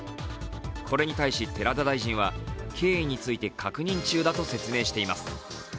これに対し、寺田大臣は経緯について確認中と説明しています。